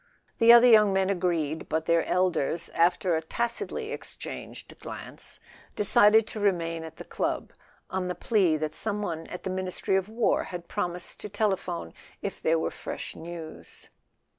The other young men agreed, but their elders, after a tacitly exchanged glance, decided to remain at the club, on the plea that some one at the Ministry of War had promised to telephone if there were fresh news.